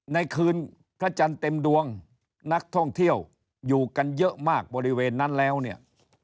ในคืนพระจันทร์เต็มดวงนักท่องเที่ยวอยู่กันเยอะมากบริเวณนั้นแล้วเนี่ย